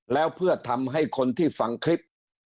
แล้วเพื่อทำให้คนที่ฟังคลิป